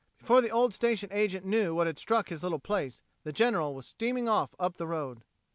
Before the old station agent knew what had struck his little place, the General was steaming off up the road.